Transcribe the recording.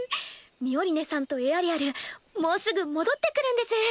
ミオリネさんとエアリアルもうすぐ戻ってくるんです。